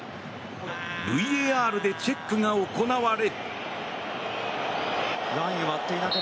ＶＡＲでチェックが行われ。